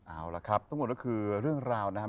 เอาละครับทั้งหมดก็คือเรื่องราวนะครับ